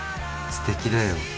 すてきだよ。